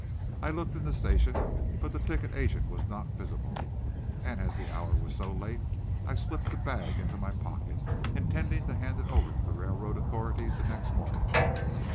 I looked in the station, but the ticket agent was not visible, and as the hour was so late I slipped the bag into my pocket, intending to hand it over to the railroad authorities next morning.